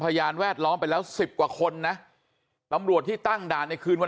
พยานแวดล้อมไปแล้วสิบกว่าคนนะตำรวจที่ตั้งด่านในคืนวัน